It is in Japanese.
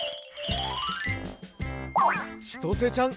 ちとせちゃん